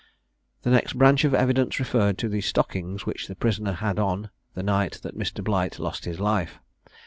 The next branch of evidence referred to the stockings which the prisoner had on the night that Mr. Blight lost his life.